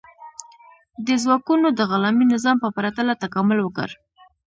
دې ځواکونو د غلامي نظام په پرتله تکامل وکړ.